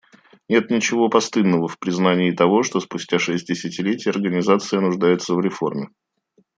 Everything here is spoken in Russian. Нет ничего постыдного в признании того, что спустя шесть десятилетий Организация нуждается в реформе.